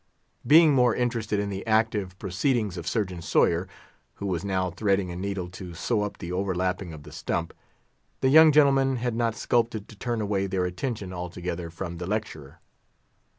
Being more interested in the active proceedings of Surgeon Sawyer, who was now threading a needle to sew up the overlapping of the stump, the young gentlemen had not scrupled to turn away their attention altogether from the lecturer.